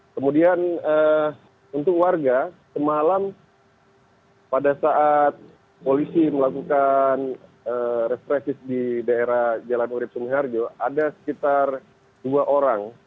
kemudian untuk warga semalam pada saat polisi melakukan represif di daerah jalan urib sumiharjo ada sekitar dua orang